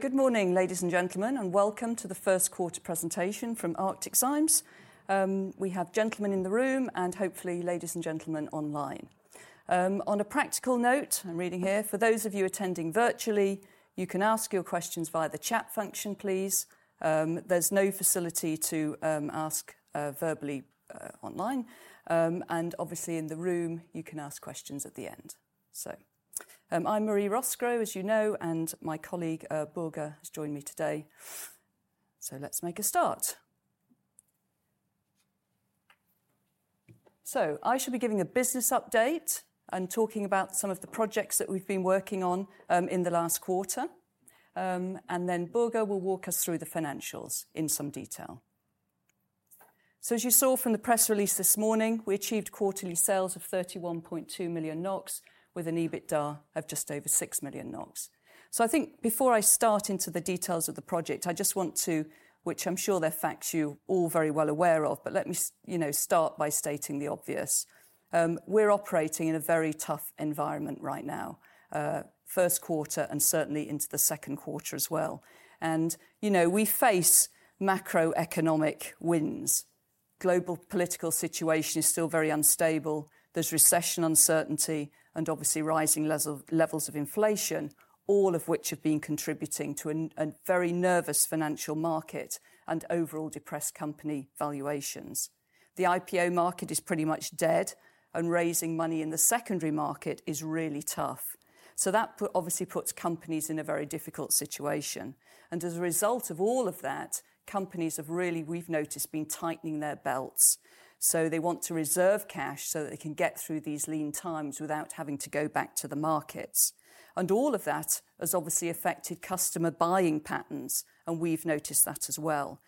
Good morning, ladies and gentlemen, and welcome to the Q1 presentation from ArcticZymes. We have gentlemen in the room and hopefully ladies and gentlemen online. On a practical note, I'm reading here, for those of you attending virtually, you can ask your questions via the chat function, please. There's no facility to ask verbally online. Obviously in the room, you can ask questions at the end. I'm Marie Roskrow, as you know, and my colleague, Børge, has joined me today. Let's make a start. I shall be giving a business update and talking about some of the projects that we've been working on in the last quarter. Then Børge will walk us through the financials in some detail. As you saw from the press release this morning, we achieved quarterly sales of 31.2 million NOK with an EBITDA of just over 6 million NOK. I think before I start into the details of the project, I just want to which I'm sure they're facts you're all very well aware of, but let me you know, start by stating the obvious. We're operating in a very tough environment right now, Q1 and certainly into the Q2 as well. You know, we face macroeconomic winds. Global political situation is still very unstable. There's recession uncertainty and obviously rising levels of inflation, all of which have been contributing to an very nervous financial market and overall depressed company valuations. The IPO market is pretty much dead, and raising money in the secondary market is really tough. Obviously puts companies in a very difficult situation. As a result of all of that, companies have really, we've noticed, been tightening their belts. They want to reserve cash so that they can get through these lean times without having to go back to the markets. All of that has obviously affected customer buying patterns, and we've noticed that as well.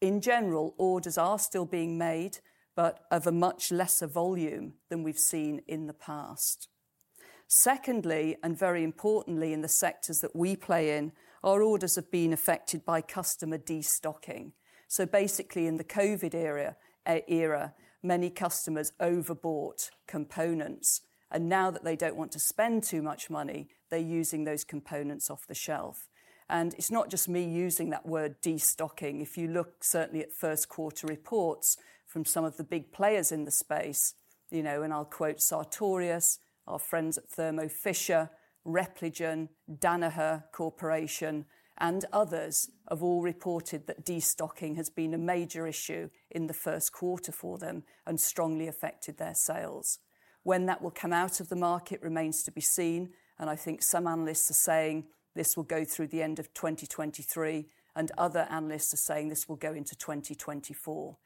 In general, orders are still being made, but of a much lesser volume than we've seen in the past. Secondly, and very importantly in the sectors that we play in, our orders have been affected by customer destocking. Basically in the COVID era, many customers overbought components, and now that they don't want to spend too much money, they're using those components off the shelf. It's not just me using that word destocking. If you look certainly at Q1 reports from some of the big players in the space, you know, and I'll quote Sartorius, our friends at Thermo Fisher, Repligen, Danaher Corporation, and others have all reported that destocking has been a major issue in the Q1 for them and strongly affected their sales. When that will come out of the market remains to be seen, and I think some analysts are saying this will go through the end of 2023, and other analysts are saying this will go into 2024.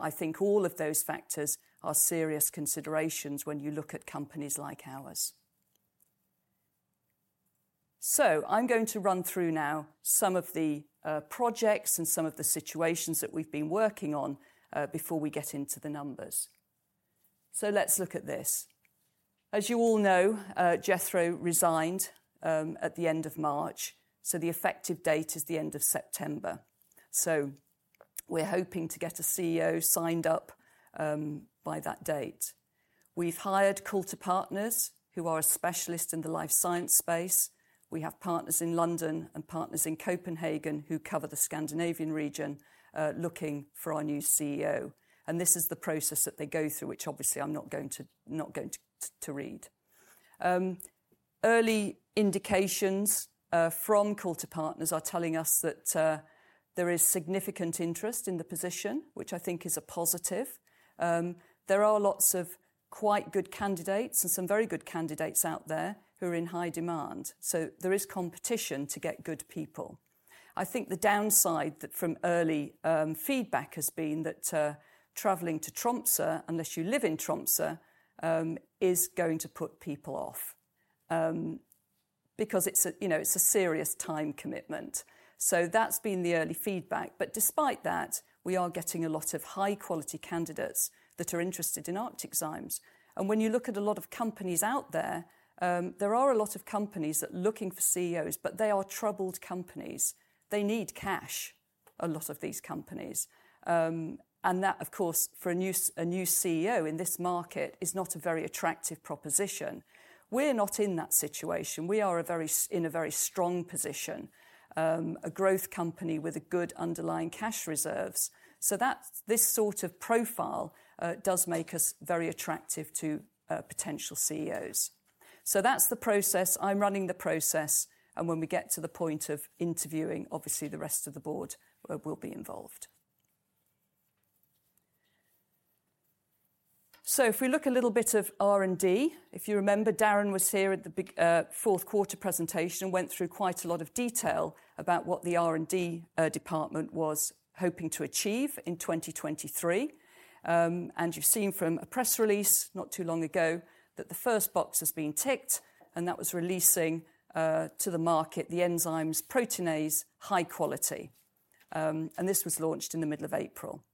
I think all of those factors are serious considerations when you look at companies like ours. I'm going to run through now some of the projects and some of the situations that we've been working on before we get into the numbers. Let's look at this. As you all know, Jethro resigned at the end of March, the effective date is the end of September. We're hoping to get a CEO signed up by that date. We've hired Coulter Partners, who are a specialist in the life science space. We have partners in London and partners in Copenhagen who cover the Scandinavian region, looking for our new CEO. This is the process that they go through, which obviously I'm not going to read. Early indications from Coulter Partners are telling us that there is significant interest in the position, which I think is a positive. There are lots of quite good candidates and some very good candidates out there who are in high demand. There is competition to get good people. I think the downside that from early feedback has been that traveling to Tromsø, unless you live in Tromsø, is going to put people off, because it's a, you know, it's a serious time commitment. That's been the early feedback. Despite that, we are getting a lot of high-quality candidates that are interested in ArcticZymes. When you look at a lot of companies out there are a lot of companies that are looking for CEOs, but they are troubled companies. They need cash, a lot of these companies. That of course, for a new CEO in this market, is not a very attractive proposition. We're not in that situation. We are in a very strong position, a growth company with a good underlying cash reserves. This sort of profile does make us very attractive to potential CEOs. That's the process. I'm running the process, and when we get to the point of interviewing, obviously the rest of the board will be involved. If we look a little bit of R&D, if you remember, Darren was here at the Q4 presentation, went through quite a lot of detail about what the R&D department was hoping to achieve in 2023. And you've seen from a press release not too long ago that the first box has been ticked, and that was releasing to the market the enzymes Proteinase High Quality. And this was launched in the middle of April.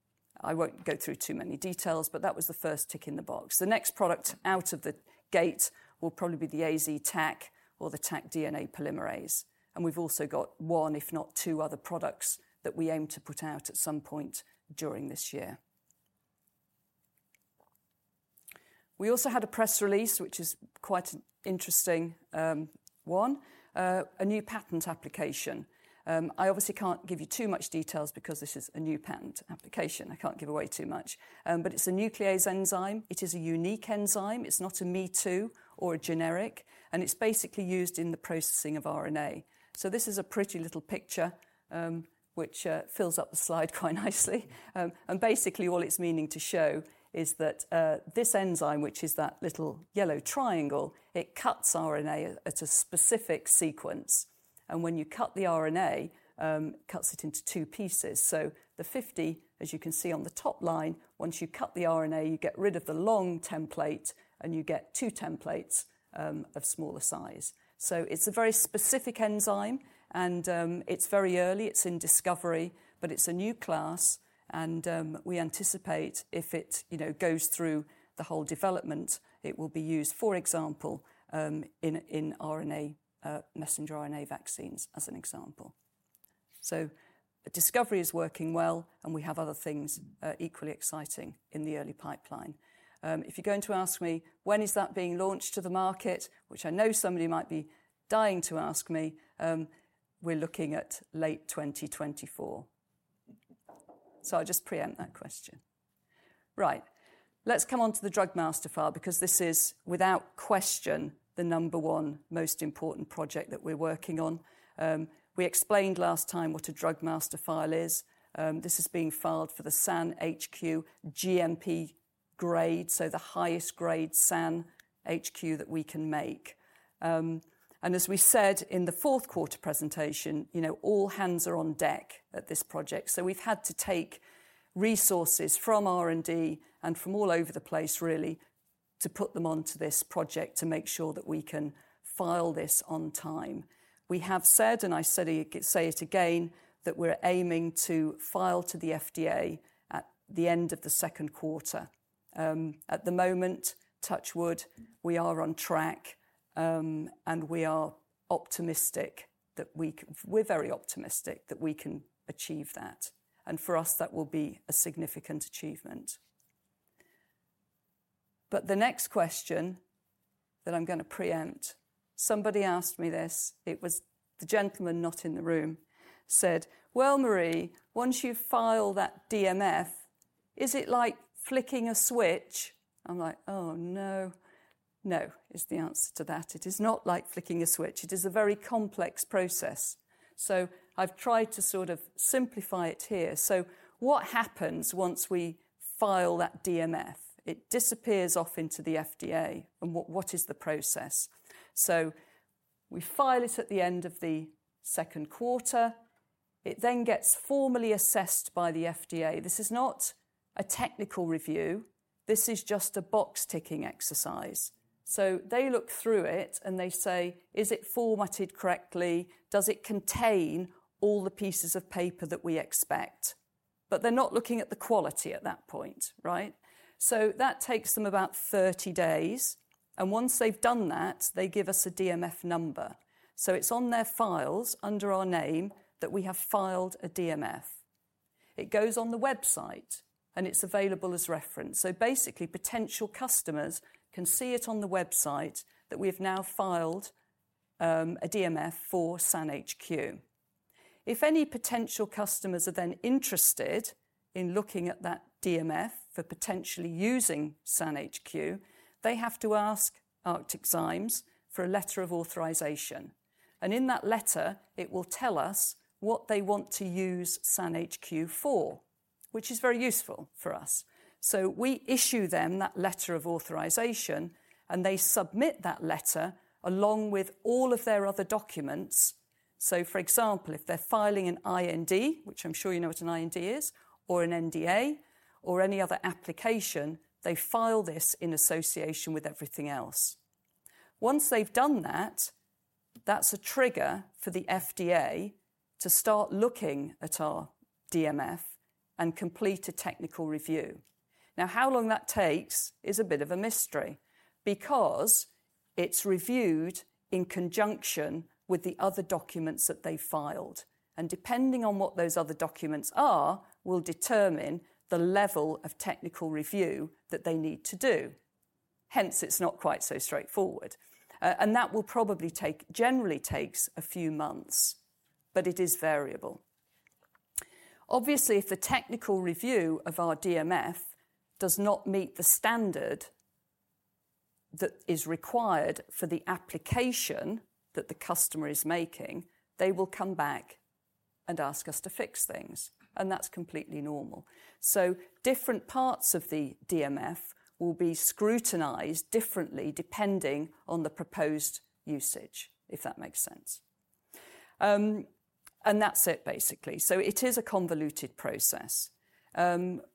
I won't go through too many details, but that was the first tick in the box. The next product out of the gate will probably be the AZtaq or the Taq DNA polymerase. We've also got one, if not two other products that we aim to put out at some point during this year. We also had a press release, which is quite an interesting, one. A new patent application. I obviously can't give you too much details because this is a new patent application. I can't give away too much. But it's a nuclease enzyme. It is a unique enzyme. It's not a me too or a generic, and it's basically used in the processing of RNA. This is a pretty little picture, which fills up the slide quite nicely. Basically all it's meaning to show is that this enzyme, which is that little yellow triangle, it cuts RNA at a specific sequence. When you cut the RNA, it cuts it into two pieces. The 50, as you can see on the top line, once you cut the RNA, you get rid of the long template, and you get two templates of smaller size. It's a very specific enzyme and it's very early. It's in discovery, but it's a new class and we anticipate if it, you know, goes through the whole development, it will be used, for example, in RNA messenger RNA vaccines as an example. Discovery is working well, and we have other things equally exciting in the early pipeline. If you're going to ask me, when is that being launched to the market, which I know somebody might be dying to ask me, we're looking at late 2024. I'll just preempt that question. Right. Let's come on to the Drug Master File because this is without question the number 1 most important project that we're working on. We explained last time what a Drug Master File is. This is being filed for the SAN HQ GMP grade, so the highest grade SAN HQ that we can make. As we said in the Q4 presentation, you know, all hands are on deck at this project. We've had to take resources from R&D and from all over the place really to put them onto this project to make sure that we can file this on time. We have said, and I say it again, that we're aiming to file to the FDA at the end of the Q2. At the moment, touch wood, we are on track, and we are optimistic that we can... We're very optimistic that we can achieve that. For us that will be a significant achievement. The next question that I'm gonna preempt, somebody asked me this, it was the gentleman not in the room said, "Well, Marie, once you file that DMF, is it like flicking a switch?" I'm like, "Oh, no." No is the answer to that. It is not like flicking a switch. It is a very complex process. I've tried to sort of simplify it here. What happens once we file that DMF? It disappears off into the FDA. What is the process? We file it at the end of the Q2. It then gets formally assessed by the FDA. This is not a technical review. This is just a box-ticking exercise. They look through it and they say, "Is it formatted correctly? Does it contain all the pieces of paper that we expect?" They're not looking at the quality at that point, right? That takes them about 30 days, and once they've done that, they give us a DMF number. It's on their files under our name that we have filed a DMF. It goes on the website, and it's available as reference. Basically, potential customers can see it on the website that we've now filed a DMF for SAN HQ. If any potential customers are then interested in looking at that DMF for potentially using SAN HQ, they have to ask ArcticZymes for a letter of authorization. In that letter, it will tell us what they want to use SAN HQ for, which is very useful for us. We issue them that letter of authorization, and they submit that letter along with all of their other documents. For example, if they're filing an IND, which I'm sure you know what an IND is, or an NDA or any other application, they file this in association with everything else. Once they've done that's a trigger for the FDA to start looking at our DMF and complete a technical review. How long that takes is a bit of a mystery because it's reviewed in conjunction with the other documents that they filed, and depending on what those other documents are will determine the level of technical review that they need to do. Hence, it's not quite so straightforward. That will probably take, generally takes a few months, but it is variable. Obviously, if the technical review of our DMF does not meet the standard that is required for the application that the customer is making, they will come back and ask us to fix things, and that's completely normal. Different parts of the DMF will be scrutinized differently depending on the proposed usage, if that makes sense. And that's it basically. It is a convoluted process.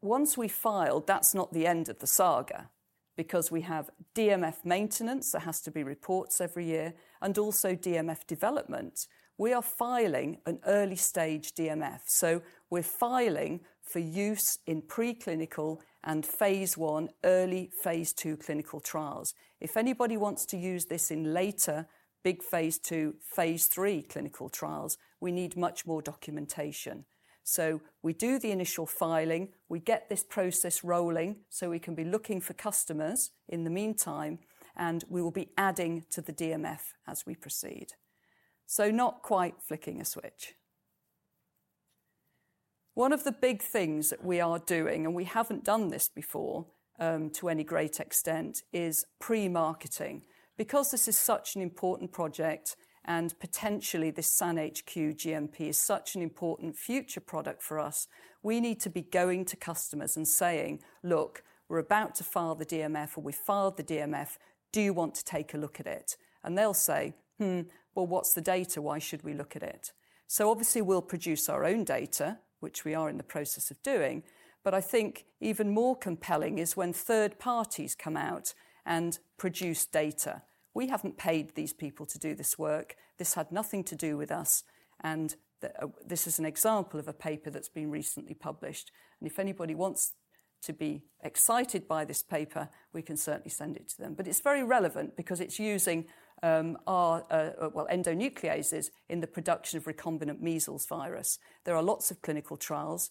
Once we've filed, that's not the end of the saga because we have DMF maintenance. There has to be reports every year, and also DMF development. We are filing an early-stage DMF, so we're filing for use in preclinical and phase I, early phase II clinical trials. If anybody wants to use this in later big phase II, phase III clinical trials, we need much more documentation. We do the initial filing, we get this process rolling, so we can be looking for customers in the meantime, and we will be adding to the DMF as we proceed. Not quite flicking a switch. One of the big things that we are doing, and we haven't done this before, to any great extent, is pre-marketing. This is such an important project and potentially this SAN HQ GMP is such an important future product for us, we need to be going to customers and saying, "Look, we're about to file the DMF," or, "We've filed the DMF. Do you want to take a look at it?" They'll say, "Hmm, well, what's the data? Why should we look at it?" Obviously we'll produce our own data, which we are in the process of doing, but I think even more compelling is when third parties come out and produce data. We haven't paid these people to do this work. This had nothing to do with us, this is an example of a paper that's been recently published. If anybody wants to be excited by this paper, we can certainly send it to them. It's very relevant because it's using, well, endonucleases in the production of recombinant measles virus. There are lots of clinical trials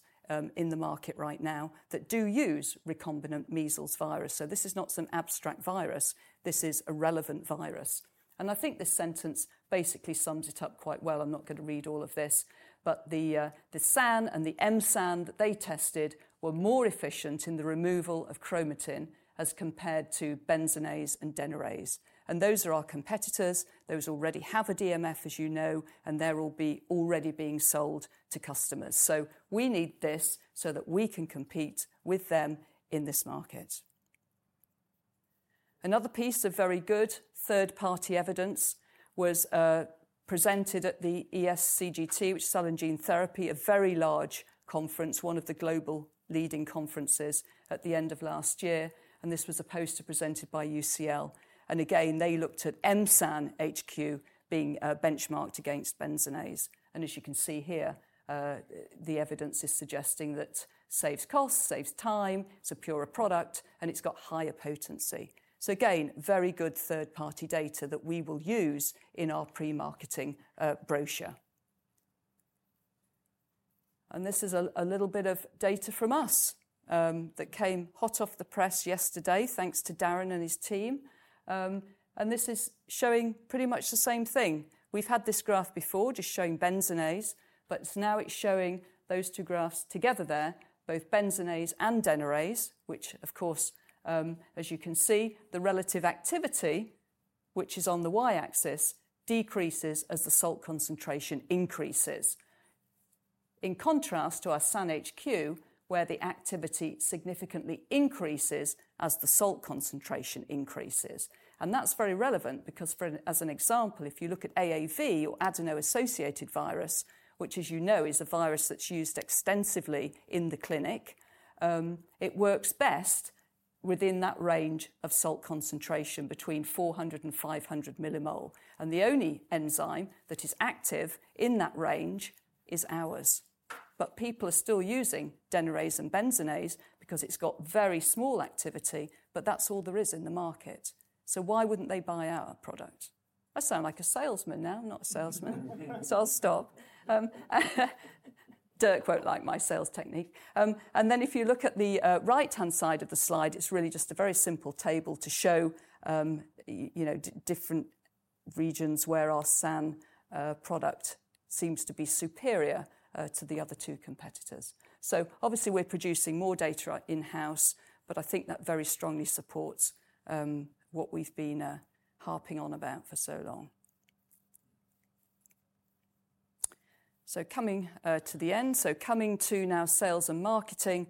in the market right now that do use recombinant measles virus, so this is not some abstract virus. This is a relevant virus. I think this sentence basically sums it up quite well. I'm not gonna read all of this, but the SAN and the MSAN that they tested were more efficient in the removal of chromatin as compared to Benzonase and DNase. Those are our competitors. Those already have a DMF, as you know, and they're already being sold to customers. We need this so that we can compete with them in this market. Another piece of very good third-party evidence was presented at the ESGCT, which is Gene and Cell Therapy, a very large conference, one of the global leading conferences, at the end of last year, and this was a poster presented by UCL. Again, they looked at MSAN HQ being benchmarked against Benzonase. As you can see here, the evidence is suggesting that saves cost, saves time, it's a purer product, and it's got higher potency. Again, very good third-party data that we will use in our pre-marketing brochure. This is a little bit of data from us that came hot off the press yesterday, thanks to Darren and his team. This is showing pretty much the same thing. We've had this graph before just showing Benzonase, but now it's showing those two graphs together there, both Benzonase and DNase, which of course, as you can see, the relative activity, which is on the Y-axis, decreases as the salt concentration increases. In contrast to our SAN HQ, where the activity significantly increases as the salt concentration increases. That's very relevant because as an example, if you look at AAV or adeno-associated virus, which as you know is a virus that's used extensively in the clinic, it works best within that range of salt concentration between 400 and 500 millimole, and the only enzyme that is active in that range is ours. People are still using DNase and Benzonase because it's got very small activity, but that's all there is in the market. Why wouldn't they buy our product? I sound like a salesman now. I'm not a salesman. I'll stop. Dirk won't like my sales technique. If you look at the right-hand side of the slide, it's really just a very simple table to show, you know, different regions where our SAN product seems to be superior to the other 2 competitors. Obviously we're producing more data in-house, but I think that very strongly supports what we've been harping on about for so long. Coming to the end, so coming to now sales and marketing,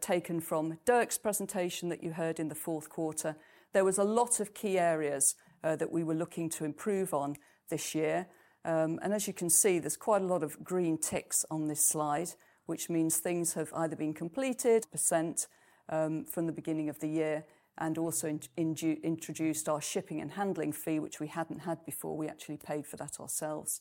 taken from Dirk's presentation that you heard in the 4th quarter, there was a lot of key areas that we were looking to improve on this year. As you can see, there's quite a lot of green ticks on this slide, which means things have either been completed, %, from the beginning of the year, and also introduced our shipping and handling fee, which we hadn't had before. We actually paid for that ourselves.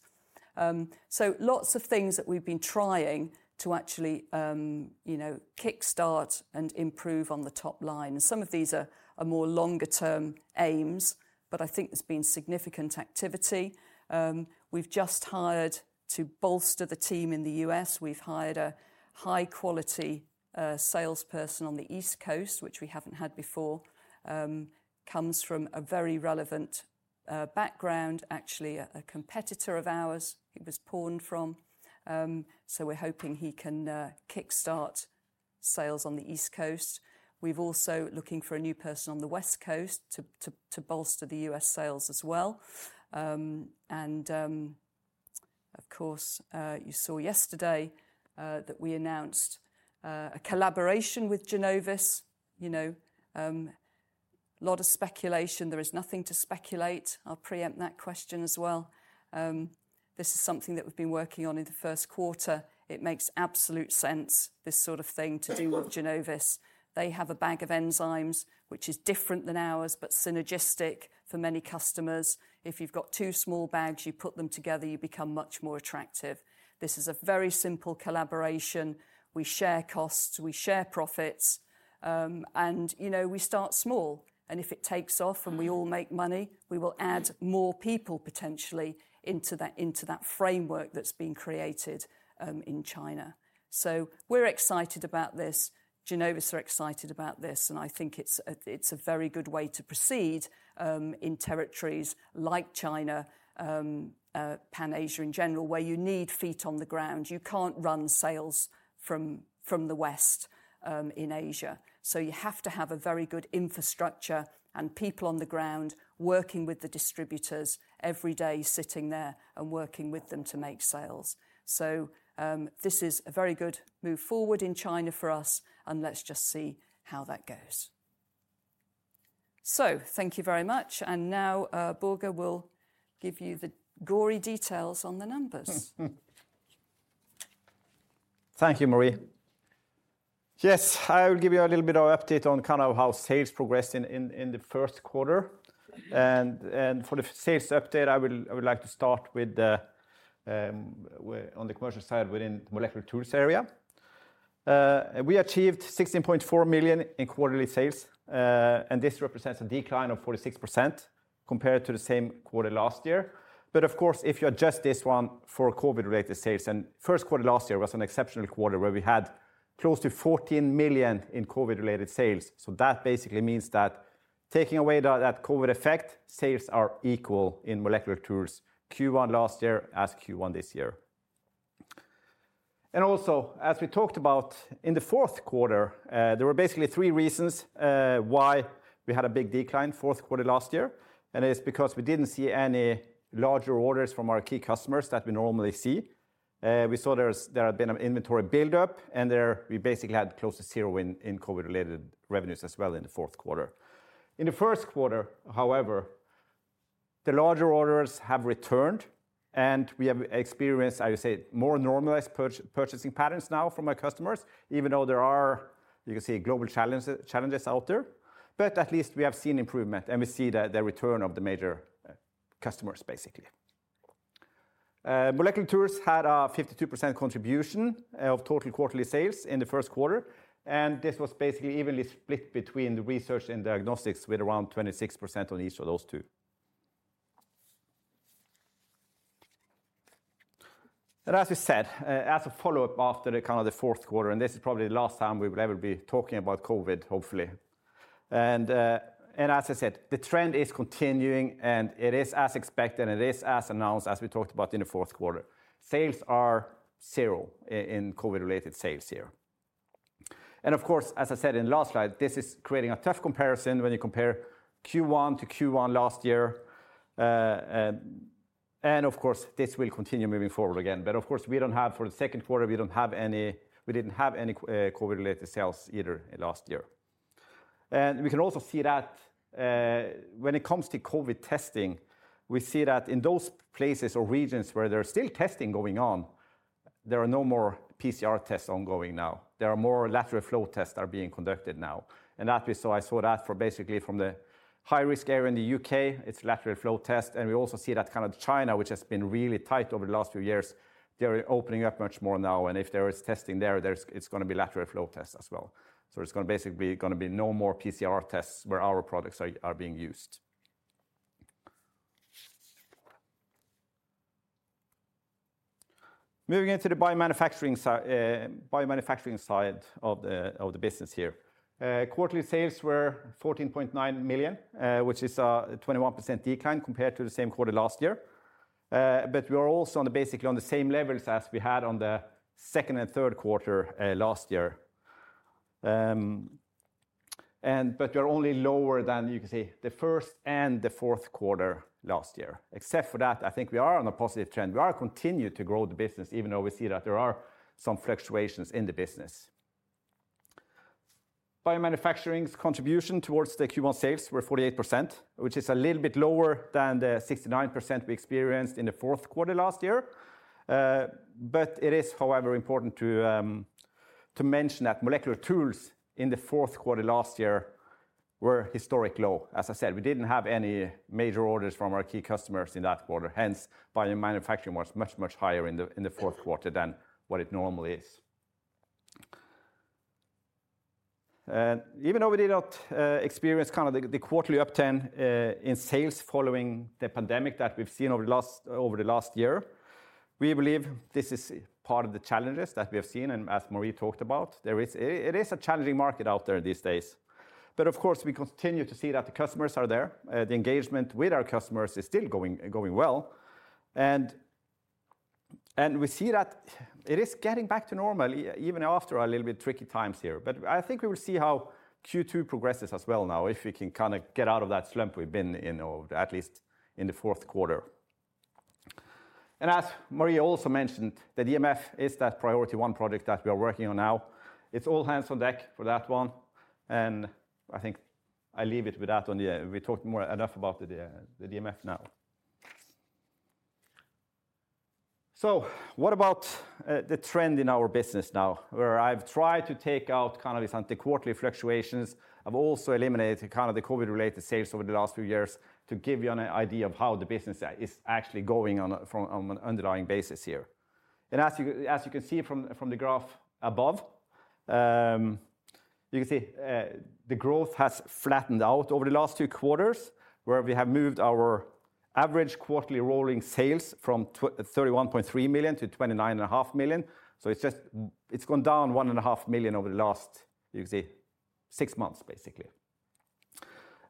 Lots of things that we've been trying to actually, you know, kickstart and improve on the top line. Some of these are more longer term aims, but I think there's been significant activity. We've just hired to bolster the team in the US. We've hired a high-quality salesperson on the East Coast, which we haven't had before. Comes from a very relevant background. Actually, a competitor of ours he was pawned from. We're hoping he can kickstart sales on the East Coast. We've also looking for a new person on the West Coast to bolster the US sales as well. Of course, you saw yesterday that we announced a collaboration with Genovis. You know, a lot of speculation. There is nothing to speculate. I'll preempt that question as well. This is something that we've been working on in the Q1. It makes absolute sense, this sort of thing, to do with Genovis. They have a bag of enzymes which is different than ours, but synergistic for many customers. If you've got two small bags, you put them together, you become much more attractive. This is a very simple collaboration. We share costs, we share profits. And, you know, we start small, and if it takes off and we all make money, we will add more people potentially into that, into that framework that's been created in China. We're excited about this. Genovis are excited about this, and I think it's a very good way to proceed in territories like China, Pan Asia in general, where you need feet on the ground. You can't run sales from the West in Asia. You have to have a very good infrastructure and people on the ground working with the distributors every day, sitting there and working with them to make sales. This is a very good move forward in China for us, and let's just see how that goes. Thank you very much. Now, Børge will give you the gory details on the numbers. Thank you, Marie. Yes. I will give you a little bit of update on kind of how sales progressed in the Q1. For the sales update, I would like to start on the commercial side within molecular tools area. We achieved $16.4 million in quarterly sales, and this represents a decline of 46% compared to the same quarter last year. Of course, if you adjust this one for COVID-related sales, Q1 last year was an exceptional quarter where we had close to $14 million in COVID-related sales. That basically means that taking away that COVID effect, sales are equal in molecular tools Q1 last year as Q1 this year. As we talked about in the Q4, there were basically three reasons why we had a big decline Q4 last year. It's because we didn't see any larger orders from our key customers that we normally see. We saw there had been an inventory buildup, and there we basically had close to zero in COVID-related revenues as well in the Q4. In the Q1, however, the larger orders have returned, and we have experienced, I would say, more normalized purchasing patterns now from our customers, even though there are, you can see global challenges out there. At least we have seen improvement, and we see the return of the major customers basically. Molecular tools had a 52% contribution of total quarterly sales in the Q1. This was basically evenly split between the research and diagnostics with around 26% on each of those two. As we said, as a follow-up after the kind of the Q4, this is probably the last time we will ever be talking about COVID, hopefully. As I said, the trend is continuing. It is as expected. It is as announced as we talked about in the Q4. Sales are 0 in COVID-related sales here. Of course, as I said in last slide, this is creating a tough comparison when you compare Q1 to Q1 last year. Of course, this will continue moving forward again. Of course, we don't have for the Q2, we don't have any... we didn't have any COVID-related sales either last year. we can also see that, when it comes to COVID testing, we see that in those places or regions where there's still testing going on, there are no more PCR tests ongoing now. There are more lateral flow tests are being conducted now. that we saw, I saw that for basically from the high-risk area in the U.K., it's lateral flow test. we also see that kind of China, which has been really tight over the last few years. They're opening up much more now, and if there is testing there, it's gonna be lateral flow tests as well. there's gonna basically gonna be no more PCR tests where our products are being used. Moving into the biomanufacturing side of the business here. Quarterly sales were 14.9 million, which is a 21% decline compared to the same quarter last year. We are also on the, basically on the same levels as we had on the second and Q3 last year. We are only lower than you can say, the first and the Q4 last year. Except for that, I think we are on a positive trend. We are continued to grow the business even though we see that there are some fluctuations in the business. Biomanufacturing's contribution towards the Q1 sales were 48%, which is a little bit lower than the 69% we experienced in the Q4 last year. It is, however, important to mention that molecular tools in the Q4 last year were historic low. As I said, we didn't have any major orders from our key customers in that quarter. Hence, biomanufacturing was much, much higher in the Q4 than what it normally is. Even though we did not experience kind of the quarterly upturn in sales following the pandemic that we've seen over the last year, we believe this is part of the challenges that we have seen. As Marie talked about, it is a challenging market out there these days. Of course, we continue to see that the customers are there. The engagement with our customers is still going well. We see that it is getting back to normal even after a little bit tricky times here. I think we will see how Q2 progresses as well now if we can kinda get out of that slump we've been in or at least in the Q4. As Marie also mentioned, the DMF is that priority 1 project that we are working on now. It's all hands on deck for that one, and I think I leave it with that on the air. We talked more enough about the DMF now. What about the trend in our business now? Where I've tried to take out kind of these anti-quarterly fluctuations. I've also eliminated kind of the COVID-related sales over the last few years to give you an idea of how the business is actually going on a, from an underlying basis here. As you, as you can see from the graph above, you can see the growth has flattened out over the last 2 quarters, where we have moved our average quarterly rolling sales from $31.3 million to $29.5 million. It's gone down $1.5 million over the last, you can say, 6 months, basically.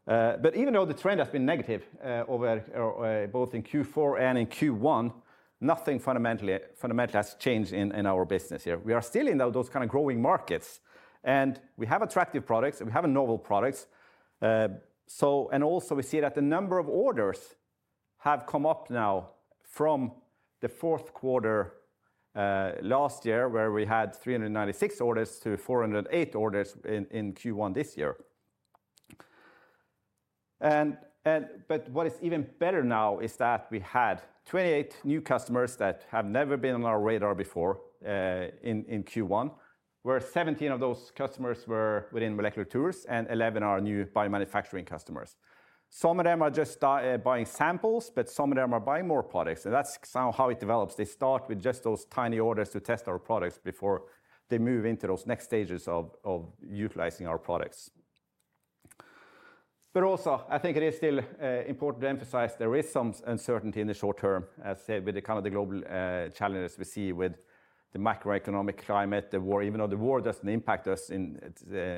Even though the trend has been negative over both in Q4 and in Q1, nothing fundamentally has changed in our business here. We are still in those kind of growing markets, and we have attractive products, and we have novel products. Also we see that the number of orders have come up now from the Q4 last year, where we had 396 orders to 408 orders in Q1 this year. What is even better now is that we had 28 new customers that have never been on our radar before in Q1, where 17 of those customers were within molecular tools and 11 are new biomanufacturing customers. Some of them are just buying samples, but some of them are buying more products, and that's kind of how it develops. They start with just those tiny orders to test our products before they move into those next stages of utilizing our products. Also, I think it is still important to emphasize there is some uncertainty in the short term, as said, with the kind of the global challenges we see with the macroeconomic climate, the war. Even though the war doesn't impact us in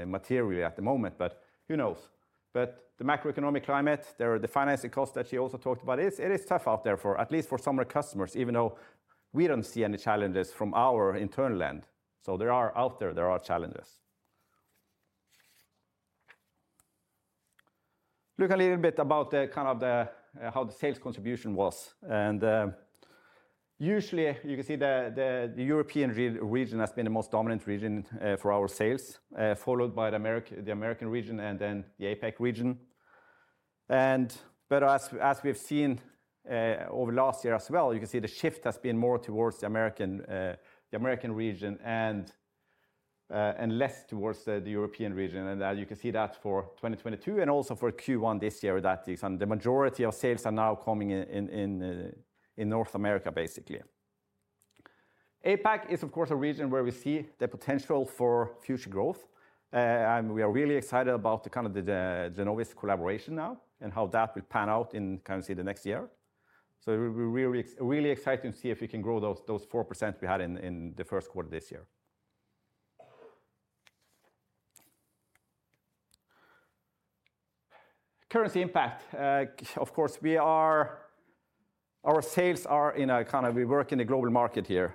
materially at the moment, but who knows? The macroeconomic climate, there are the financing costs that she also talked about. It is tough out there for at least for some of our customers, even though we don't see any challenges from our internal end. There are out there are challenges. Look a little bit about the kind of the how the sales contribution was. Usually you can see the European region has been the most dominant region for our sales, followed by the American region and then the APAC region. But as we've seen, over last year as well, you can see the shift has been more towards the American, the American region and less towards the European region. You can see that for 2022 and also for Q1 this year, that is. The majority of sales are now coming in, in North America, basically. APAC is, of course, a region where we see the potential for future growth, and we are really excited about the kind of the Genovis collaboration now and how that will pan out in kind of say the next year. We're really excited to see if we can grow those 4% we had in the Q1 this year. Currency impact. Of course, we work in a global market here,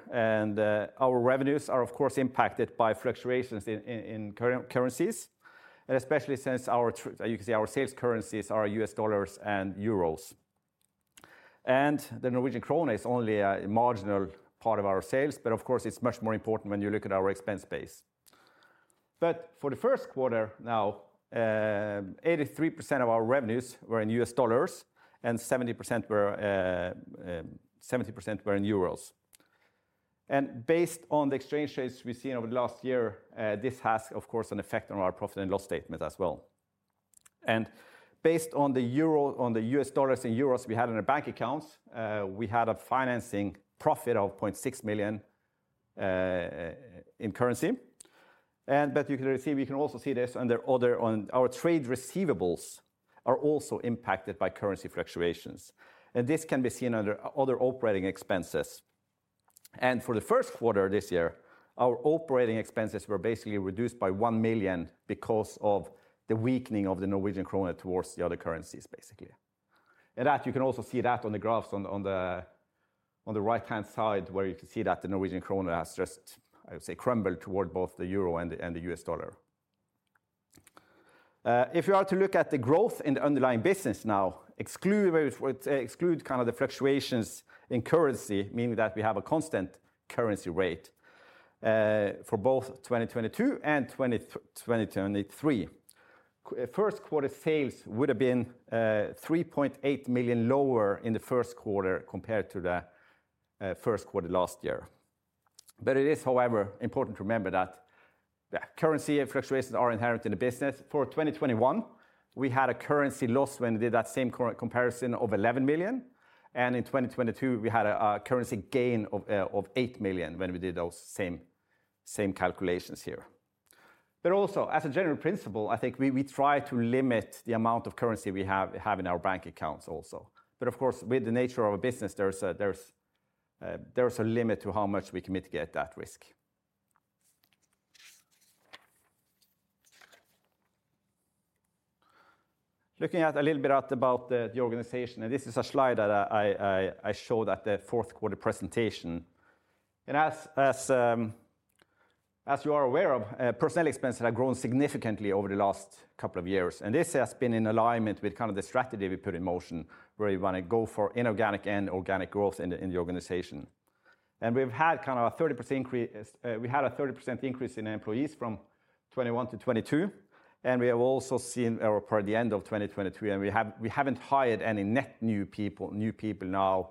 our revenues are of course impacted by fluctuations in currencies, and especially since you can see our sales currencies are US dollars and euros. The Norwegian krone is only a marginal part of our sales, but of course, it's much more important when you look at our expense base. For the Q1 now, 83% of our revenues were in $ and 70% were in EUR. Based on the exchange rates we've seen over the last year, this has, of course, an effect on our profit and loss statement as well. Based on the US dollars and euros we had in our bank accounts, we had a financing profit of 0.6 million in currency. You can really see we can also see this under other our trade receivables are also impacted by currency fluctuations, and this can be seen under other operating expenses. For the Q1 this year, our operating expenses were basically reduced by 1 million because of the weakening of the Norwegian krone towards the other currencies, basically. That, you can also see that on the graphs on the right-hand side, where you can see that the Norwegian krone has just, I would say, crumbled toward both the euro and the US dollar. If you are to look at the growth in the underlying business now, exclude where it's, exclude kind of the fluctuations in currency, meaning that we have a constant currency rate, for both 2022 and 2023. Q1 sales would have been 3.8 million lower in the Q1 compared to the Q1 last year. It is, however, important to remember that the currency fluctuations are inherent in the business. For 2021, we had a currency loss when we did that same comparison of 11 million, and in 2022, we had a currency gain of 8 million when we did those same calculations here. Also, as a general principle, I think we try to limit the amount of currency we have in our bank accounts also. Of course, with the nature of our business, there's a limit to how much we can mitigate that risk. Looking at a little bit at about the organization, this is a slide that I showed at the Q4 presentation. As you are aware of, personnel expenses have grown significantly over the last couple of years, and this has been in alignment with kind of the strategy we put in motion, where we want to go for inorganic and organic growth in the organization. We've had kind of a 30% increase, we had a 30% increase in employees from 2021 to 2022. We have also seen per the end of 2023. We haven't hired any net new people now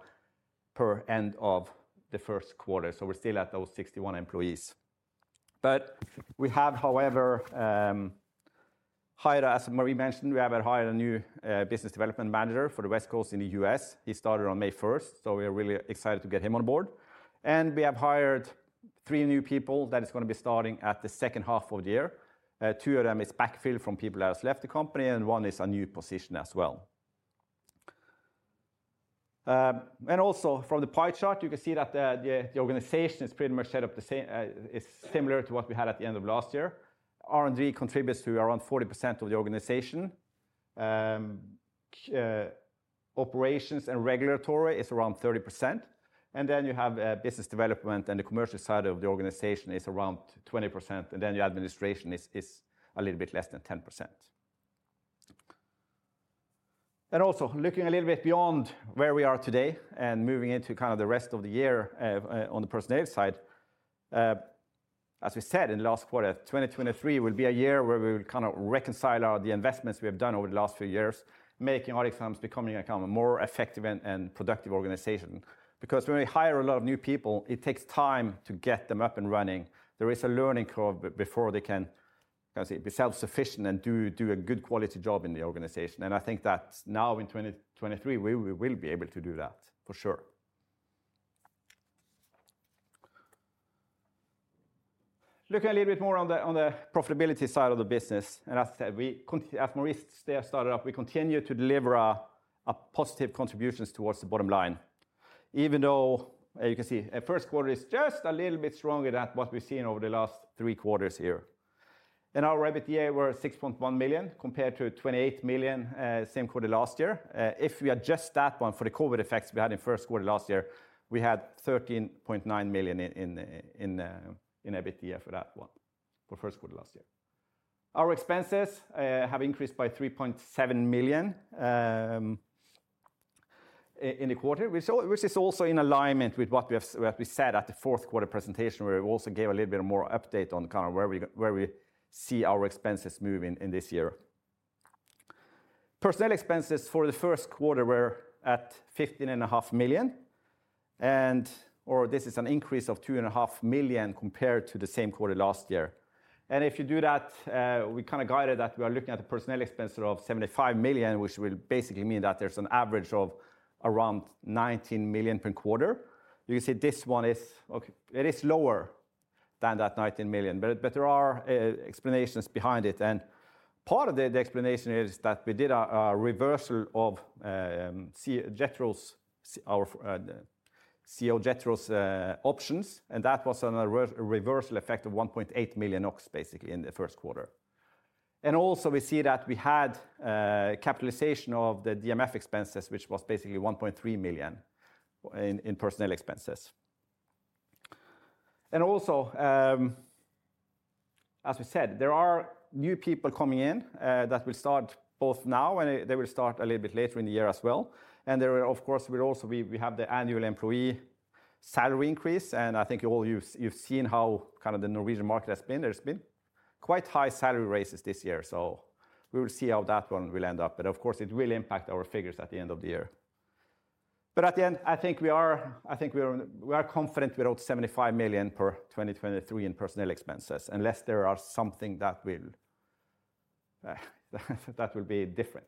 per end of the Q1. We're still at those 61 employees. We have, however, hired, as Marie mentioned, we have hired a new business development manager for the West Coast in the U.S. He started on May 1st, so we are really excited to get him on board. We have hired three new people that is gonna be starting at the second half of the year. Two of them is backfill from people that has left the company, and one is a new position as well. Also from the pie chart, you can see that the organization is pretty much set up the same, is similar to what we had at the end of last year. R&D contributes to around 40% of the organization. Operations and regulatory is around 30%, then you have business development and the commercial side of the organization is around 20%, then the administration is a little bit less than 10%. Also looking a little bit beyond where we are today and moving into kind of the rest of the year, on the personnel side, as we said in the last quarter, 2023 will be a year where we will kind of reconcile the investments we have done over the last few years, making ArcticZymes becoming a kind of a more effective and productive organization. Because when we hire a lot of new people, it takes time to get them up and running. There is a learning curve before they can say, be self-sufficient and do a good quality job in the organization, and I think that now in 2023, we will be able to do that for sure. Looking a little bit more on the, on the profitability side of the business, as said, we as Marie's stay has started up, we continue to deliver a positive contributions towards the bottom line, even though, you can see, Q1 is just a little bit stronger than what we've seen over the last three quarters here. Our EBITDA were 6.1 million compared to 28 million, same quarter last year. If we adjust that one for the COVID effects we had in Q1 last year, we had 13.9 million in EBITDA for that one, for Q1 last year. Our expenses have increased by 3.7 million in the quarter, which is also in alignment with what we have, what we said at the Q4 presentation, where we also gave a little bit more update on kind of where we see our expenses moving in this year. Personnel expenses for the Q1 were at 15 and a half million or this is an increase of 2 and a half million compared to the same quarter last year. If you do that, we kind of guided that we are looking at a personnel expense of 75 million, which will basically mean that there's an average of around 19 million per quarter. You can see this one is, okay, it is lower than that 19 million, but there are explanations behind it. Part of the explanation is that we did a reversal of our Jethro's options, and that was a reversal effect of 1.8 million basically in the Q1. Also we see that we had capitalization of the DMF expenses, which was basically 1.3 million in personnel expenses. Also, as we said, there are new people coming in that will start both now and they will start a little bit later in the year as well. There are of course, we have the annual employee salary increase, and I think you all you've seen how kind of the Norwegian market has been. There's been quite high salary raises this year. We will see how that one will end up. Of course, it will impact our figures at the end of the year. At the end, we are confident without 75 million for 2023 in personnel expenses, unless there are something that will be different.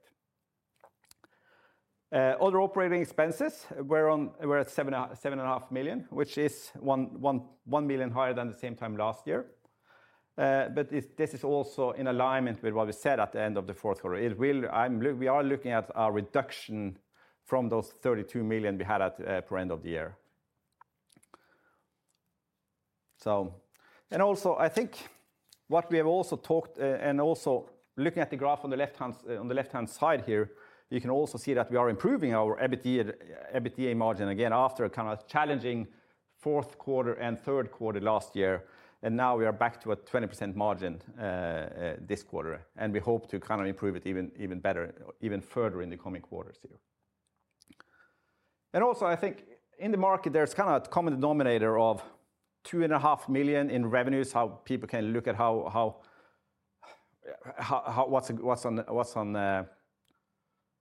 Other operating expenses were at 7.5 million, which is 1 million higher than the same time last year. This is also in alignment with what we said at the end of the Q4. We are looking at a reduction from those 32 million we had at per end of the year. And also I think what we have also talked, and also looking at the graph on the left-hand side here, you can also see that we are improving our EBIT and EBITDA margin again after a kind of challenging Q4 and Q3 last year. Now we are back to a 20% margin this quarter, and we hope to kind of improve it even better or even further in the coming quarters here. Also I think in the market, there's kind of a common denominator of two and a half million in revenues, how people can look at how what's on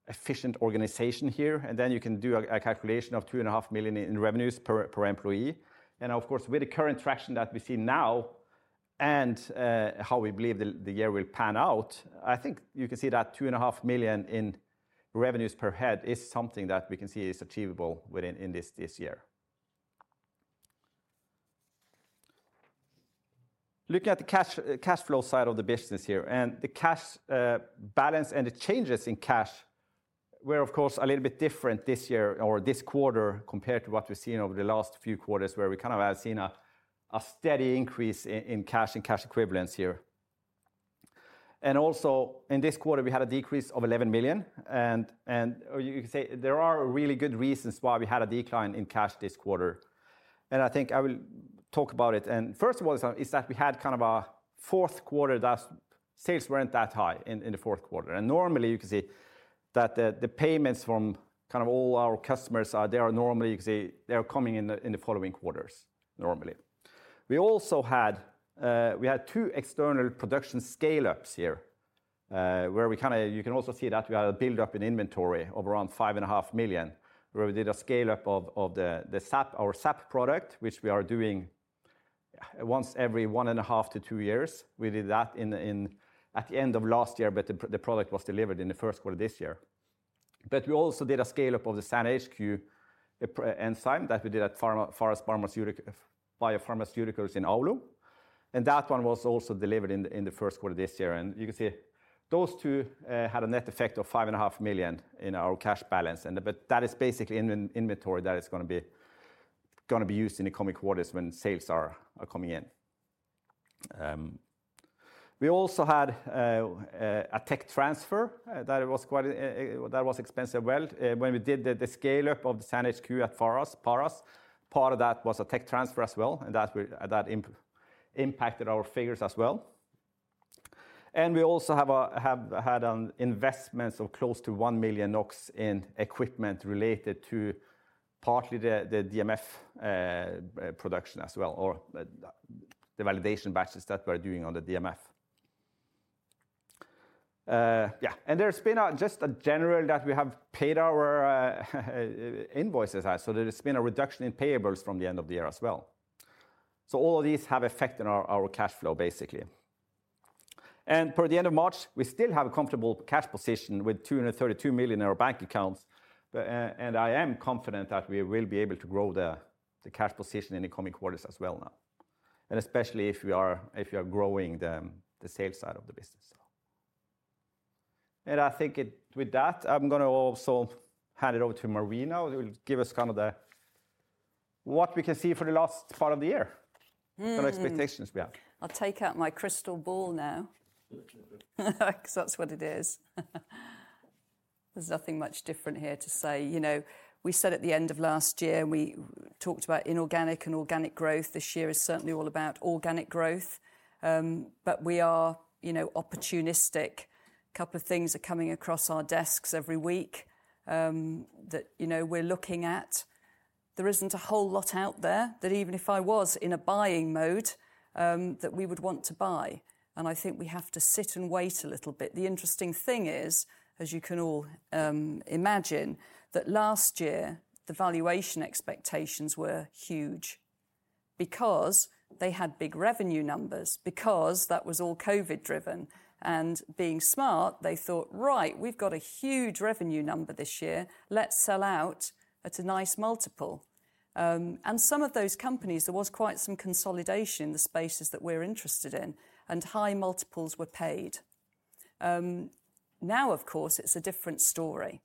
efficient organization here, and then you can do a calculation of two and a half million in revenues per employee. Of course, with the current traction that we see now and how we believe the year will pan out, I think you can see that 2.5 million in revenues per head is something that we can see is achievable in this year. Looking at the cash flow side of the business here, and the cash balance and the changes in cash were of course a little bit different this year or this quarter compared to what we've seen over the last few quarters, where we kind of have seen a steady increase in cash and cash equivalents here. Also in this quarter, we had a decrease of 11 million. You could say there are really good reasons why we had a decline in cash this quarter, and I think I will talk about it. First of all, is that we had kind of a Q4 that sales weren't that high in the Q4. Normally, you can see that the payments from kind of all our customers they are normally, you can say, they are coming in the following quarters, normally. We also had we had two external production scale-ups here. You can also see that we had a buildup in inventory of around 5.5 million, where we did a scale-up of the SAP, our SAP product, which we are doing once every 1.5 to two years. We did that at the end of last year, but the product was delivered in the Q1 of this year. We also did a scale-up of the SAN HQ enzyme that we did at Pharma-Faros Pharmaceutical in Oulu, that one was also delivered in the Q1 of this year. You can see those two had a net effect of five and a half million in our cash balance. That is basically in an inventory that is gonna be used in the coming quarters when sales are coming in. We also had a tech transfer that was quite expensive. Well, when we did the scale-up of the SAN HQ at Farma-Faras, part of that was a tech transfer as well, and that we impacted our figures as well. We also have had investments of close to 1 million NOK in equipment related to partly the DMF production as well, or the validation batches that we're doing on the DMF. Yeah. There's been a general that we have paid our invoices out, so there's been a reduction in payables from the end of the year as well. All of these have affected our cash flow, basically. Per the end of March, we still have a comfortable cash position with 232 million in our bank accounts, and I am confident that we will be able to grow the cash position in the coming quarters as well now, especially if we are growing the sales side of the business. I think it... With that, I'm gonna also hand it over to Marie, who will give us kind of the, what we can see for the last part of the year. Mm. Some expectations we have. I'll take out my crystal ball now 'cause that's what it is. There's nothing much different here to say. You know, we said at the end of last year, we talked about inorganic and organic growth. This year is certainly all about organic growth, we are, you know, opportunistic. Couple of things are coming across our desks every week, that, you know, we're looking at. There isn't a whole lot out there that even if I was in a buying mode, that we would want to buy, I think we have to sit and wait a little bit. The interesting thing is, as you can all, imagine, that last year the valuation expectations were huge because they had big revenue numbers, because that was all COVID driven. Being smart, they thought, "Right, we've got a huge revenue number this year. Let's sell out at a nice multiple." Some of those companies, there was quite some consolidation in the spaces that we're interested in, and high multiples were paid. Now, of course, it's a different story,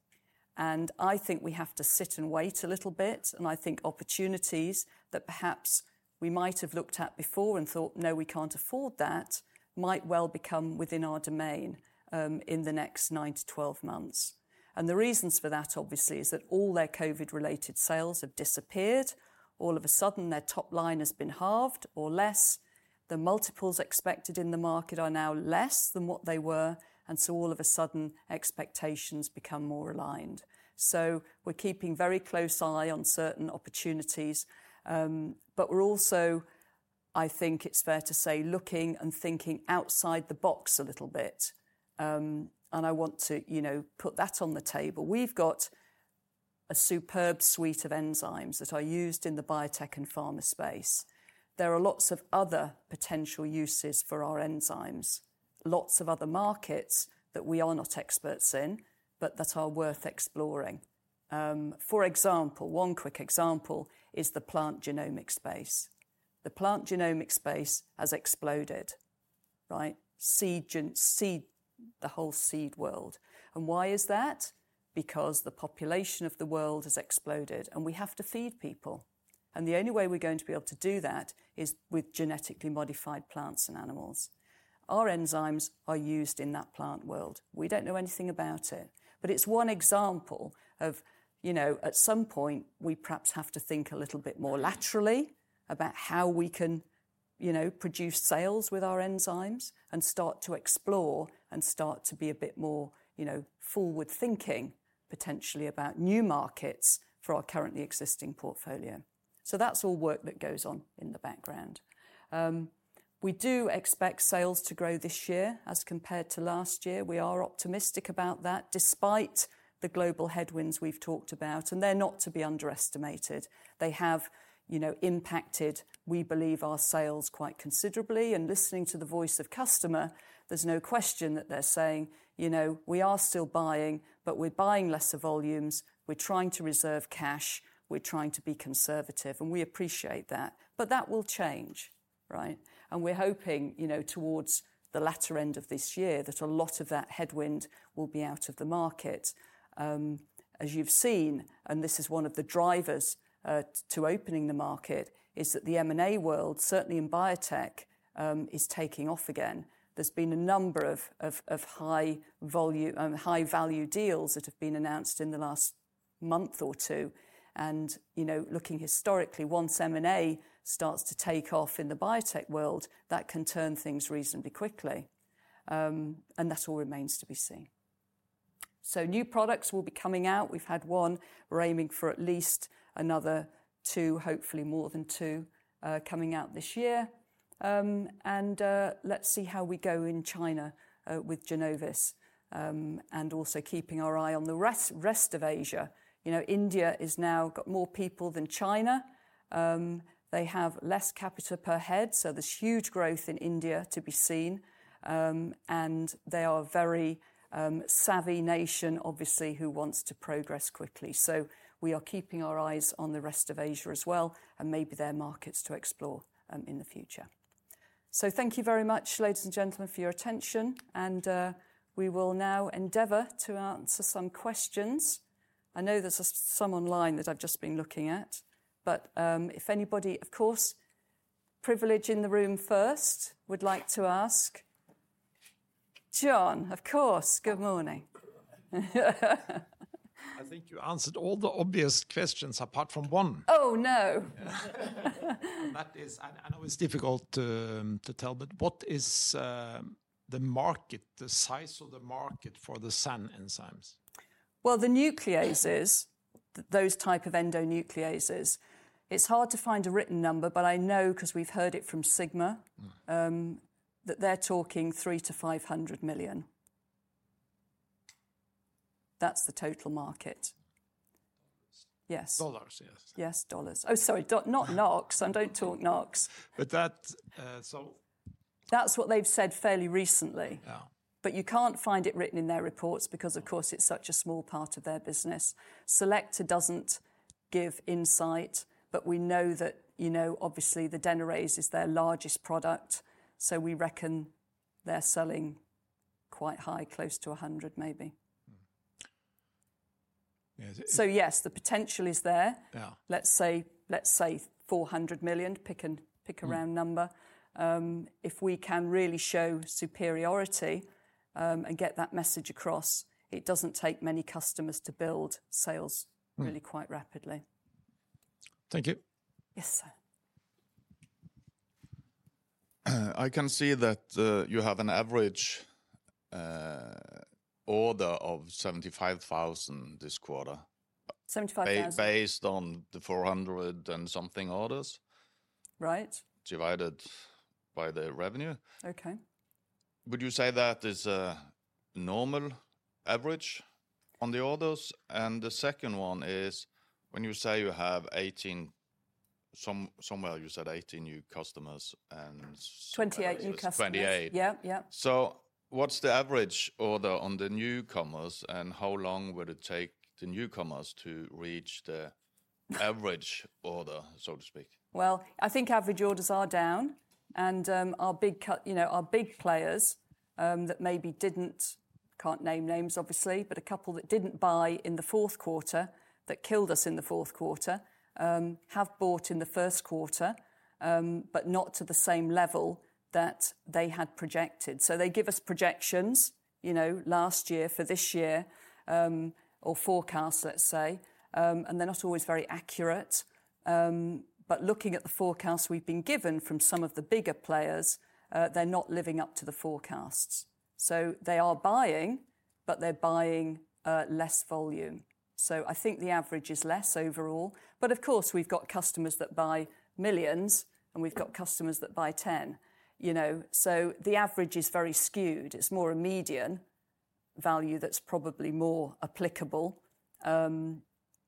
and I think we have to sit and wait a little bit, and I think opportunities that perhaps we might have looked at before and thought, "No, we can't afford that," might well become within our domain in the next 9 to 12 months. The reasons for that, obviously, is that all their COVID-related sales have disappeared. All of a sudden, their top line has been halved or less. The multiples expected in the market are now less than what they were. So all of a sudden expectations become more aligned. We're keeping very close eye on certain opportunities, but we're also, I think it's fair to say, looking and thinking outside the box a little bit. I want to, you know, put that on the table. We've got a superb suite of enzymes that are used in the biotech and pharma space. There are lots of other potential uses for our enzymes, lots of other markets that we are not experts in, but that are worth exploring. For example, one quick example is the plant genomic space. The plant genomic space has exploded, right? Seed the whole seed world. Why is that? Because the population of the world has exploded, and we have to feed people, the only way we're going to be able to do that is with genetically modified plants and animals. Our enzymes are used in that plant world. We don't know anything about it, but it's one example of, you know, at some point we perhaps have to think a little bit more laterally about how we can, you know, produce sales with our enzymes and start to explore and start to be a bit more, you know, forward-thinking potentially about new markets for our currently existing portfolio. That's all work that goes on in the background. We do expect sales to grow this year as compared to last year. We are optimistic about that despite the global headwinds we've talked about. They're not to be underestimated. They have, you know, impacted, we believe, our sales quite considerably, and listening to the voice of customer, there's no question that they're saying, you know, "We are still buying, but we're buying lesser volumes. We're trying to reserve cash. We're trying to be conservative," and we appreciate that. That will change, right? We're hoping, you know, towards the latter end of this year that a lot of that headwind will be out of the market. As you've seen, and this is one of the drivers to opening the market, is that the M&A world, certainly in biotech, is taking off again. There's been a number of high value deals that have been announced in the last month or two, and, you know, looking historically, once M&A starts to take off in the biotech world, that can turn things reasonably quickly. That all remains to be seen. New products will be coming out. We've had one. We're aiming for at least another two, hopefully more than two, coming out this year. Let's see how we go in China with Genovis and also keeping our eye on the rest of Asia. You know, India is now got more people than China. They have less capita per head, so there's huge growth in India to be seen. They are very savvy nation, obviously, who wants to progress quickly. We are keeping our eyes on the rest of Asia as well and maybe their markets to explore in the future. Thank you very much ladies and gentlemen for your attention, we will now endeavor to answer some questions. I know there's some online that I've just been looking at, if anybody, of course, privilege in the room first would like to ask. John, of course. Good morning. I think you answered all the obvious questions apart from one. Oh, no. I was difficult to tell, but what is the market, the size of the market for the SAN enzymes? Well, the nucleases, those type of endonucleases, it's hard to find a written number, but I know 'cause we've heard it from Sigma. Mm... that they're talking 300 million-500 million. That's the total market. Dollars. Yes. Dollars, yes. Yes, dollars. Oh, sorry, not NOK. I don't talk NOK. That. That's what they've said fairly recently. Yeah. You can't find it written in their reports because, of course, it's such a small part of their business. Selector doesn't give insight. We know that, you know, obviously, the Denarase is their largest product, so we reckon they're selling quite high, close to 100 maybe. Mm. Yeah, Yes, the potential is there. Yeah. Let's say 400 million, pick a round number. Mm. If we can really show superiority, and get that message across, it doesn't take many customers to build sales. Mm really quite rapidly. Thank you. Yes, sir. I can see that, you have an average, order of 75,000 this quarter. 75,000. Based on the 400 and something orders. Right. Divided by the revenue. Okay. Would you say that is a normal average on the orders? The second one is, when you say you have 18, somewhere you said 18 new customers... 28 new customers. 28. Yeah, yeah. What's the average order on the newcomers, and how long would it take the newcomers to reach the average order, so to speak? Well, I think average orders are down, and you know, our big players that maybe didn't, can't name names obviously, but a couple that didn't buy in the Q4, that killed us in the Q4, have bought in the Q1, but not to the same level that they had projected. They give us projections, you know, last year for this year, or forecasts, let's say, and they're not always very accurate. Looking at the forecasts we've been given from some of the bigger players, they're not living up to the forecasts. They are buying, but they're buying less volume. I think the average is less overall. Of course we've got customers that buy millions, and we've got customers that buy 10. You know? The average is very skewed. It's more a median value that's probably more applicable,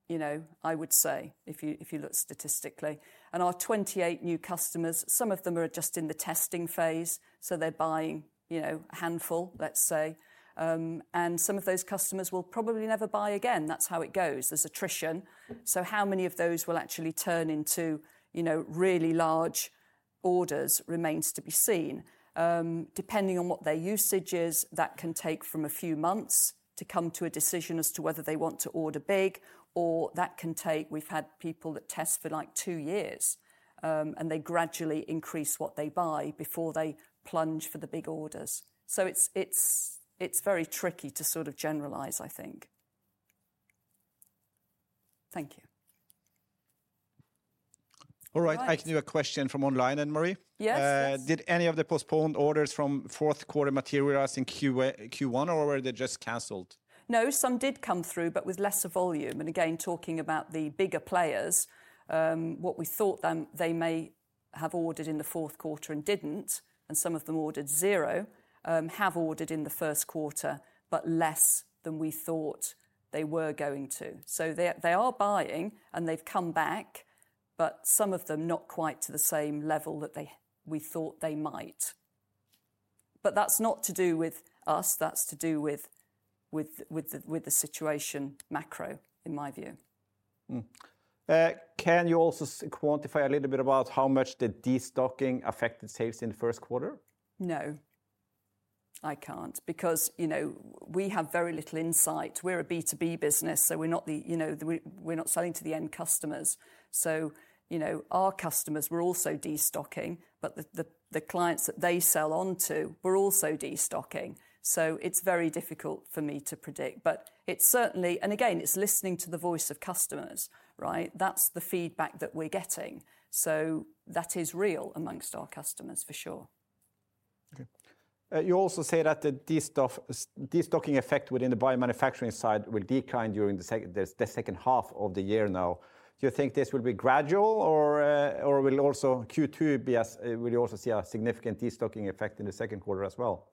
you know, I would say, if you, if you look statistically. Our 28 new customers, some of them are just in the testing phase, so they're buying, you know, a handful, let's say. Some of those customers will probably never buy again. That's how it goes. There's attrition. How many of those will actually turn into, you know, really large orders remains to be seen. Depending on what their usage is, that can take from a few months to come to a decision as to whether they want to order big, or that can take. We've had people that test for like 2 years, and they gradually increase what they buy before they plunge for the big orders. It's very tricky to sort of generalize, I think. Thank you. All right. All right. I can do a question from online then, Marie. Yes, yes. Did any of the postponed orders from Q4 materialize in Q1, or were they just canceled? No. Some did come through, but with lesser volume. Again, talking about the bigger players, what we thought, they may have ordered in the Q4 and didn't, and some of them ordered 0, have ordered in the Q1, but less than we thought they were going to. They are buying, and they've come back, but some of them not quite to the same level that we thought they might. That's not to do with us. That's to do with the situation macro, in my view. Can you also quantify a little bit about how much the destocking affected sales in the Q1? No. I can't because, you know, we have very little insight. We're a B2B business, we're not the, you know, we're not selling to the end customers. You know, our customers were also destocking, but the clients that they sell onto were also destocking. It's very difficult for me to predict. It's certainly. Again, it's listening to the voice of customers, right? That's the feedback that we're getting. That is real amongst our customers, for sure. Okay. You also say that the destocking effect within the biomanufacturing side will decline during the second half of the year now. Do you think this will be gradual or? Will you also see a significant de-stocking effect in the Q2 as well?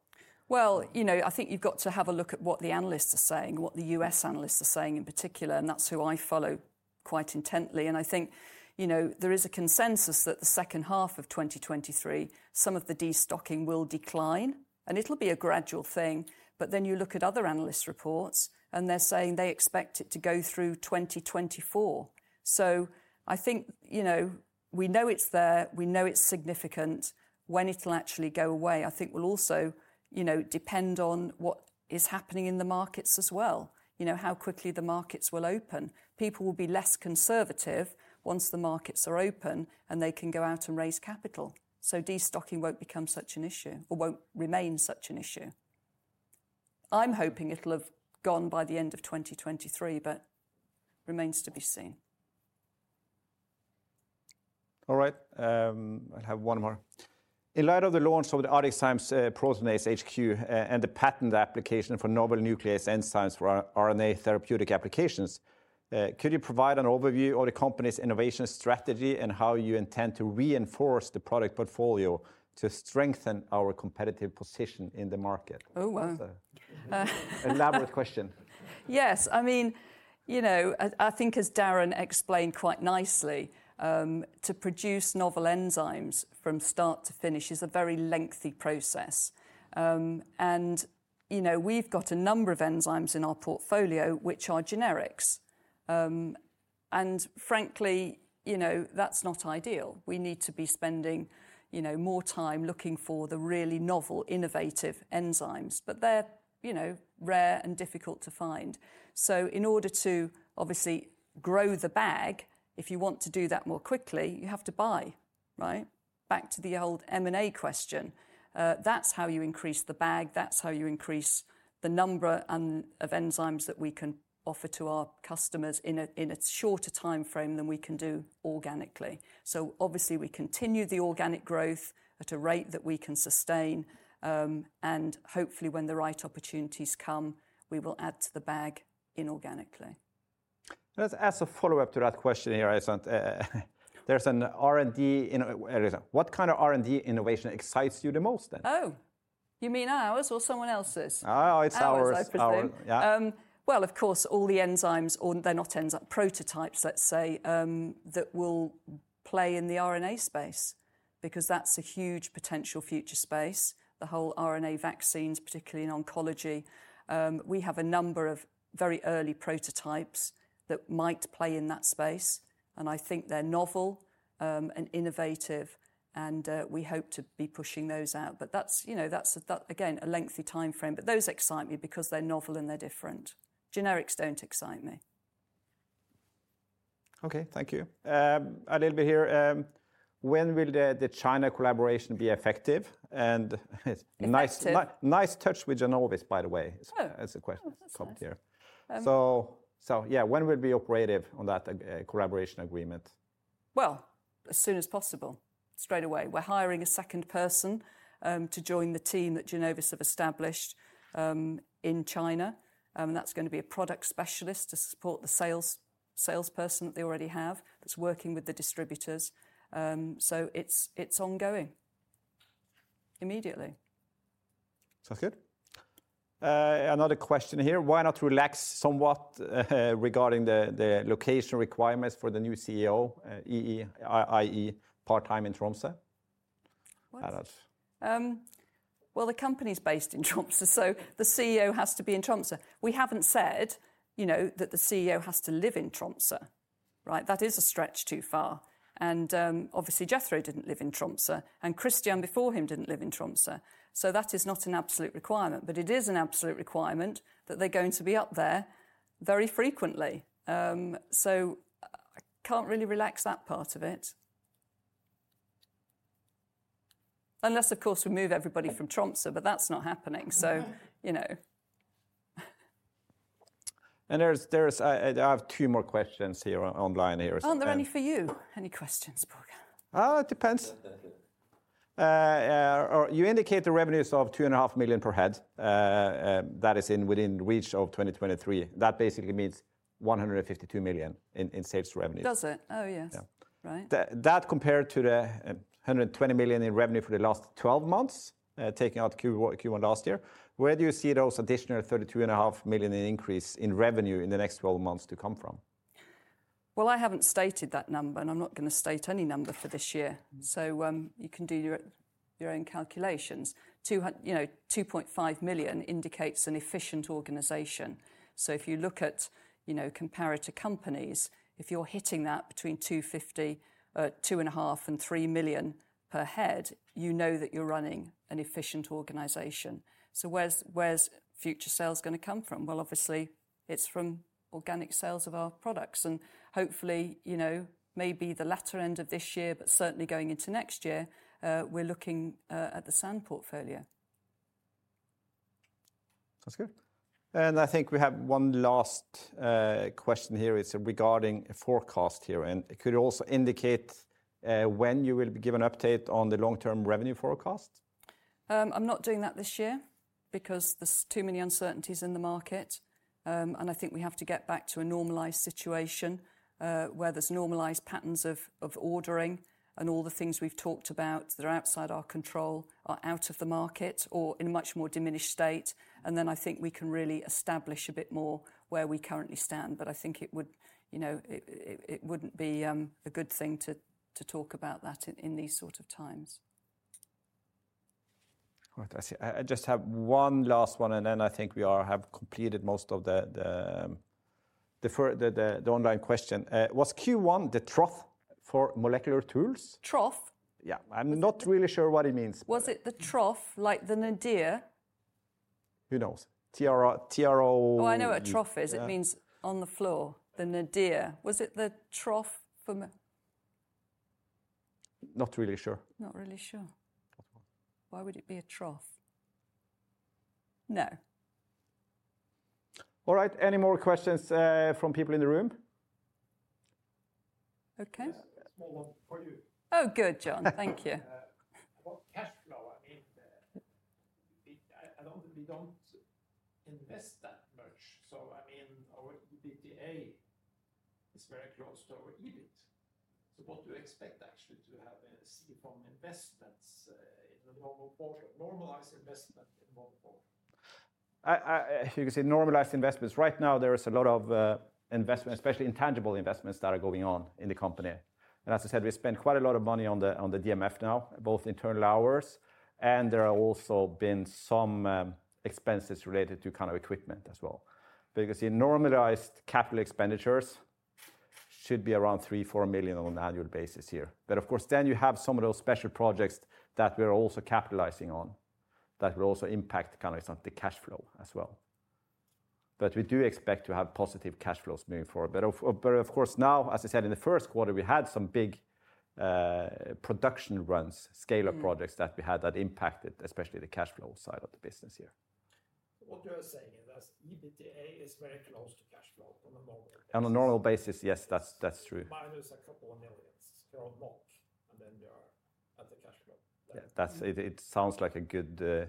You know, I think you've got to have a look at what the analysts are saying, what the US analysts are saying in particular, and that's who I follow quite intently. I think, you know, there is a consensus that the second half of 2023, some of the de-stocking will decline, and it'll be a gradual thing. You look at other analyst reports, and they're saying they expect it to go through 2024. I think, you know, we know it's there, we know it's significant. When it'll actually go away I think will also, you know, depend on what is happening in the markets as well, you know, how quickly the markets will open. People will be less conservative once the markets are open, and they can go out and raise capital, so de-stocking won't become such an issue or won't remain such an issue. I'm hoping it'll have gone by the end of 2023, but remains to be seen. All right, I have one more. In light of the launch of the ArcticZymes Proteinase HQ, and the patent application for novel nuclease enzymes for RNA therapeutic applications, could you provide an overview of the company's innovation strategy and how you intend to reinforce the product portfolio to strengthen our competitive position in the market? Oh, wow. That's a elaborate question. Yes. I mean, you know, I think as Darren explained quite nicely, to produce novel enzymes from start to finish is a very lengthy process. We've got a number of enzymes in our portfolio which are generics. Frankly, you know, that's not ideal. We need to be spending, you know, more time looking for the really novel, innovative enzymes, but they're, you know, rare and difficult to find. In order to obviously grow the bag, if you want to do that more quickly, you have to buy, right? Back to the old M&A question. That's how you increase the bag, that's how you increase the number of enzymes that we can offer to our customers in a, in a shorter timeframe than we can do organically. Obviously we continue the organic growth at a rate that we can sustain, and hopefully when the right opportunities come, we will add to the bag inorganically. Let's ask a follow-up to that question here, Eson. What kind of R&D innovation excites you the most then? Oh, you mean ours or someone else's? It's ours. Ours, I presume. Ours. Yeah. Well, of course, all the enzymes, or they're not enzyme, prototypes, let's say, that will play in the RNA space because that's a huge potential future space. The whole RNA vaccines, particularly in oncology, we have a number of very early prototypes that might play in that space, and I think they're novel, and innovative, and we hope to be pushing those out. That's, you know, that's, again, a lengthy timeframe. Those excite me because they're novel and they're different. Generics don't excite me. Okay, thank you. Adelbe here. When will the China collaboration be effective? Nice- Effective... nice touch with Genovis by the way as a question. Oh. Oh, that's kind. Up here. Um- Yeah, when will it be operative on that collaboration agreement? As soon as possible. Straight away. We're hiring a second person, to join the team that Genovis have established, in China. That's gonna be a product specialist to support the sales, salesperson that they already have that's working with the distributors. It's ongoing. Immediately. Sounds good. Another question here. Why not relax somewhat regarding the location requirements for the new CEO, I.E., part-time in Tromsø? What? Parath. Well, the company's based in Tromsø, so the CEO has to be in Tromsø. We haven't said, you know, that the CEO has to live in Tromsø, right? That is a stretch too far and obviously Jethro didn't live in Tromsø, and Christian before him didn't live in Tromsø, so that is not an absolute requirement. It is an absolute requirement that they're going to be up there very frequently. I can't really relax that part of it. Unless, of course, we move everybody from Tromsø, but that's not happening, so, you know. I have two more questions here online here. Aren't there any for you? Any questions, Brogan? It depends. You indicate the revenues of two and a half million per head, that is within reach of 2023. That basically means 152 million in sales revenue. Does it? Oh, yes. Yeah. Right. That compared to the $120 million in revenue for the last 12 months, taking out Q1 last year. Where do you see those additional $32.5 million in increase in revenue in the next 12 months to come from? Well, I haven't stated that number, and I'm not gonna state any number for this year. You can do your own calculations. you know, $2.5 million indicates an efficient organization. If you look at, you know, comparator companies, if you're hitting that between $2.5 million and $3 million per head, you know that you're running an efficient organization. Where's future sales gonna come from? Well, obviously, it's from organic sales of our products, and hopefully, you know, maybe the latter end of this year, but certainly going into next year, we're looking at the SAN portfolio. That's good. I think we have one last question here. It's regarding a forecast here, and it could also indicate when you will give an update on the long-term revenue forecast. I'm not doing that this year because there's too many uncertainties in the market. I think we have to get back to a normalized situation, where there's normalized patterns of ordering and all the things we've talked about that are outside our control are out of the market or in a much more diminished state. Then I think we can really establish a bit more where we currently stand. I think it would, you know, it, it wouldn't be a good thing to talk about that in these sort of times. All right. I see. I just have one last one, and then I think we are have completed most of the online question. Was Q1 the trough for molecular tools? Trough? Yeah. I'm not really sure what it means. Was it the trough like the nadir? Who knows? Oh, I know what trough is. Yeah. It means on the floor, the nadir. Was it the trough for Not really sure. Not really sure. Why would it be a trough? No. All right. Any more questions, from people in the room? Okay. Small one for you. Oh, good, John. Thank you. About cash flow, I mean, we don't invest that much, so I mean, our EBITDA is very close to our EBIT. What do you expect actually to have, see from investments, in the normal quarter, normalized investment in the normal quarter? You can see normalized investments. Right now there is a lot of investment, especially intangible investments that are going on in the company. As I said, we spent quite a lot of money on the DMF now, both internal hours, and there are also been some expenses related to kind of equipment as well. You can see normalized capital expenditures should be around 3-4 million on an annual basis here. Of course, then you have some of those special projects that we are also capitalizing on that will also impact kind of some of the cash flow as well. We do expect to have positive cash flows moving forward. Of course now, as I said, in the Q1, we had some big production. Mm... scalar projects that we had that impacted especially the cash flow side of the business here. What you are saying is as EBITDA is very close to cash flow on a normal basis. On a normal basis, yes, that's true. Minus a couple of million here or mock, and then we are at the cash flow. Yeah. That's it. It sounds like a good. Yeah.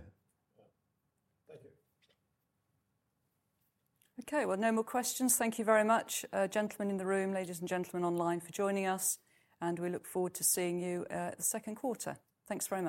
Thank you. No more questions. Thank you very much, gentlemen in the room, ladies and gentlemen online for joining us, we look forward to seeing you at the Q2. Thanks very much.